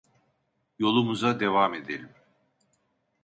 Yolumuza devam edelim.